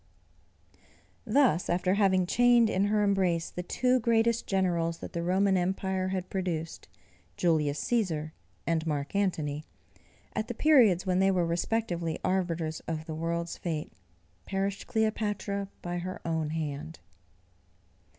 Thus, after having chained in her embrace the two greatest generals that the Roman empire had produced, Julius Cæsar and Mark Antony, at the periods when they were respectively arbiters of the world's fate, perished Cleopatra by her own hand.